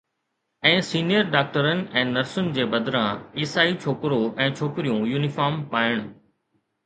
۽ senior ڊاڪٽرن ۽ نرسن جي بدران، عيسائي ڇوڪرو ۽ ڇوڪريون يونيفارم پائڻ